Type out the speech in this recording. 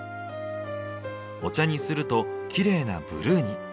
お茶にするとキレイなブルーに。